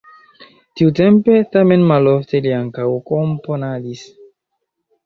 Tiutempe, tamen malofte li ankaŭ komponadis.